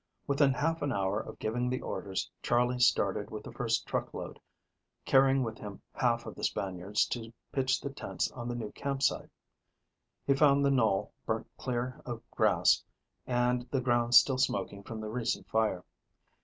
Within half an hour of giving the orders, Charley started with the first truckload, carrying with him half of the Spaniards to pitch the tents on the new camp site. He found the knoll burnt clear of grass and the ground still smoking from the recent fire.